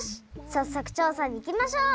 さっそくちょうさにいきましょう！